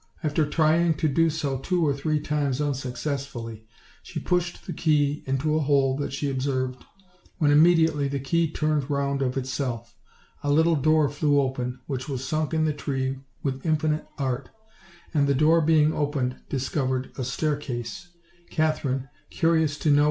After trying to do so two or three times unsuccessfully, she pushed the key into a hole that she observed, when immediately the key turned round of itself; a little door flew open which was sunk in the tree with infinite art; and the door being open discovered a staircase, Katherine, curious to know OLD, OLD if AIRY TALES.